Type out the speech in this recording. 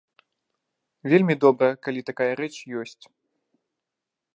Вельмі добра, калі такая рэч ёсць.